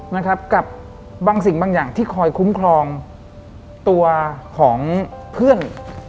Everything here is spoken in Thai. นะครับกับบางสิ่งบางอย่างที่คอยคุ้มครองตัวของเพื่อน